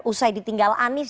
usai ditinggal anies